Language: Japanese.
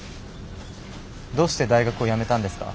どうして大学を辞めたんですか？